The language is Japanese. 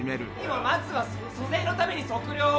まずは租税のために測量を。